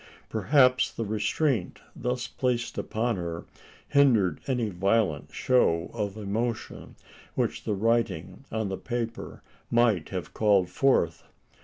Perhaps the restraint thus placed upon her hindered any violent show of emotion, which the writing on the paper might have called forth.